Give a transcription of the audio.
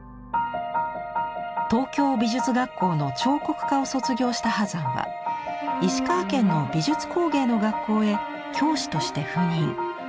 東京美術学校の彫刻科を卒業した波山は石川県の美術工芸の学校へ教師として赴任。